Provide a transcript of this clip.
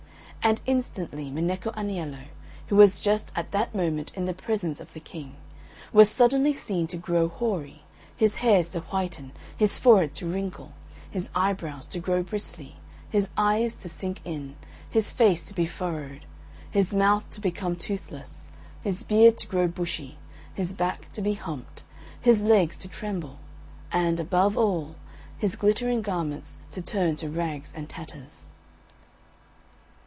And instantly Minecco Aniello, who was just at that moment in the presence of the King, was suddenly seen to grow hoary, his hairs to whiten, his forehead to wrinkle, his eyebrows to grow bristly, his eyes to sink in, his face to be furrowed, his mouth to become toothless, his beard to grow bushy, his back to be humped, his legs to tremble, and, above all, his glittering garments to turn to rags and tatters.